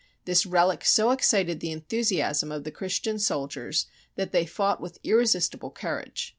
This relic so excited the enthusiasm of the Christian soldiers that they fought with irre sistible courage.